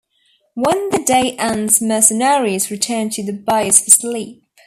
When the day ends mercenaries return to the base for sleep.